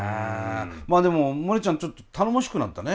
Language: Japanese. まあでもモネちゃんちょっと頼もしくなったね。